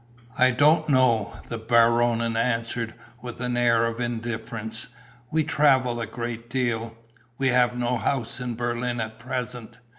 "I don't know," the Baronin answered, with an air of indifference. "We travel a great deal. We have no house in Berlin at present.